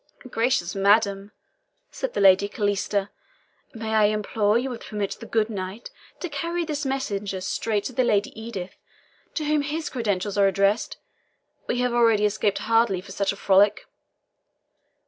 "Gracious madam," said the Lady Calista, "may I implore you would permit the good knight to carry this messenger straight to the Lady Edith, to whom his credentials are addressed? We have already escaped hardly for such a frolic."